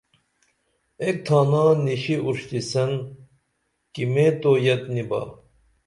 ایک تھانہ نِشی اُروشتیسن کِمیں تو یت نی با